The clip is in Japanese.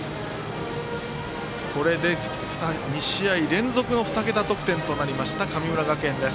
これで２試合連続の２桁得点となりました神村学園。